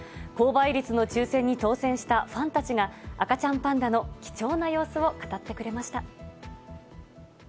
高倍率の抽せんに当せんしたファンたちが、赤ちゃんパンダの貴重な様子を語ってくれました。